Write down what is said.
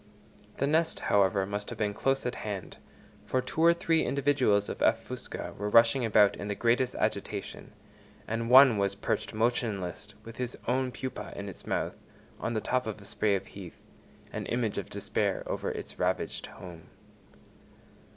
The nest, however, must have been close at hand, for two or three individuals of F. fusca were rushing about in the greatest agitation, and one was perched motionless with its own pupa in its mouth on the top of a spray of heath, an image of despair over its ravaged home.